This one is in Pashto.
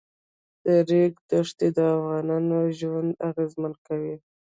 د ریګ دښتې د افغانانو ژوند اغېزمن کوي.